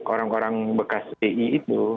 orang orang bekas ti itu